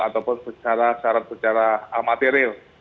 ataupun syarat secara amatiril